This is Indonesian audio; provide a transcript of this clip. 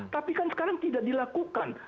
tapi kan sekarang tidak dilakukan